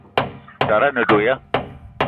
Tara a ne do ya?